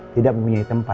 tidak mempunyai tempat pak